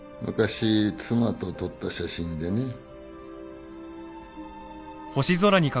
昔妻と撮った写真でね。